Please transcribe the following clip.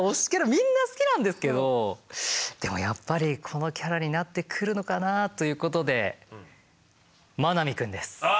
みんな好きなんですけどでもやっぱりこのキャラになってくるのかなあということで真波くんです。ああ！